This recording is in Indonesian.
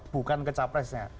bukan ke capresnya